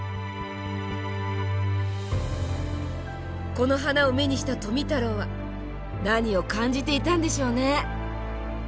この花を目にした富太郎は何を感じていたんでしょうね？